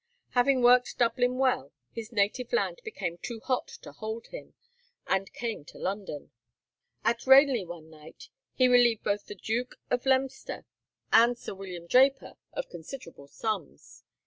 Having worked Dublin well, his native land became too hot to hold him, and came to London. At Ranelagh one night he relieved both the Duke of Leinster and Sir William Draper of considerable sums.